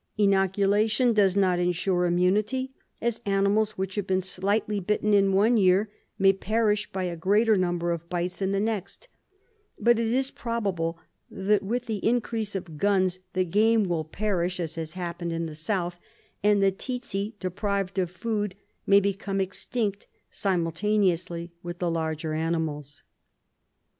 Inoculation does not insure immunity, as animals which have been slightly bitten in one year may perish by a greater number of bites in the next ; but it is probable that with the increase of guns the game will perish, as has happened in the south, and the tsetse, deprived of food, may become extinct simultaneously with the larger animals."